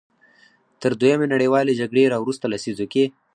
تر دویمې نړیوالې جګړې راوروسته لسیزو کې.